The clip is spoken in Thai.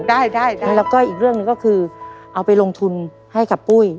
ได้ได้แล้วก็อีกเรื่องหนึ่งก็คือเอาไปลงทุนให้กับปุ้ย